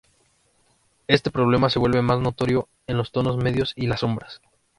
Este problema se vuelve más notorio en los tonos medios y las sombras.